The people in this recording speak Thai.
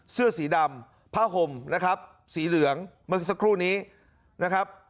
เสื้อสีดำผ้าห่มสีเหลืองมันคือสักครู่นี้นะครับ